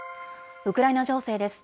ウクライナ情勢です。